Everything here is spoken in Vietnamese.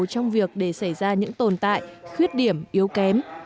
trong việc để xảy ra những tồn tại khuyết điểm yếu kém